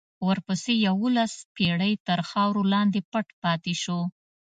ورپسې یوولس پېړۍ تر خاورو لاندې پټ پاتې شو.